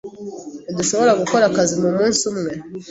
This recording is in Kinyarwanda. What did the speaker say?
Ntidushobora gukora akazi mumunsi umwe.